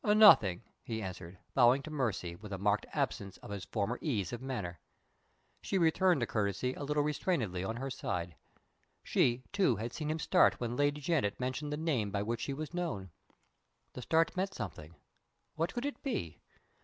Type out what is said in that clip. "Nothing," he answered, bowing to Mercy, with a marked absence of his former ease of manner. She returned the courtesy a little restrainedly on her side. She, too, had seen him start when Lady Janet mentioned the name by which she was known. The start meant something. What could it be?